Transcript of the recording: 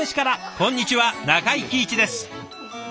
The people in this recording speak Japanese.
こんにちは中井貴一です。